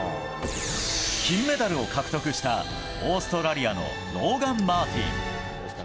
金メダルを獲得したオーストラリアのローガン・マーティン。